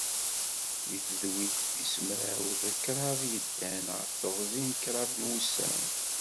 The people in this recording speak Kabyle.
D tadwilt tis mraw d kraḍe, yeddan ɣef teɣzi n kraḍ n wussan.